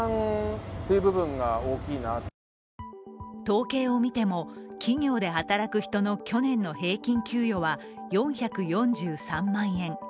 統計を見ても、企業で働く人の去年の平均給与は４４３万円。